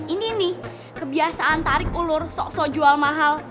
ini nih kebiasaan tarik ulur sok sok jual mahal